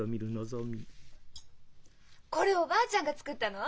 これおばあちゃんが作ったの？